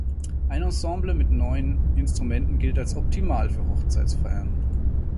Ein Ensemble mit neun Instrumenten gilt als optimal für Hochzeitsfeiern.